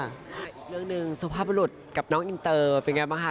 อีกเรื่องหนึ่งสุภาพบรุษกับน้องอินเตอร์เป็นไงบ้างคะ